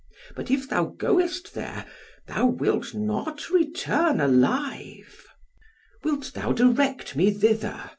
But if thou goest there, thou wilt not return alive." "Wilt thou direct me thither?"